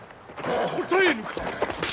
答えぬか！